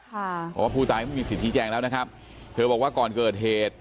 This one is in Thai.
เพราะว่าผู้ตายไม่มีสิทธิแจงแล้วนะครับเธอบอกว่าก่อนเกิดเหตุ